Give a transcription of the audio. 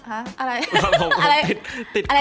อะไร